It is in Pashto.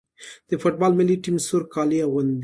د فوټبال ملي ټیم سور کالي اغوندي.